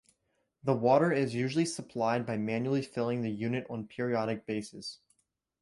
The water is usually supplied by manually filling the unit on a periodic basis.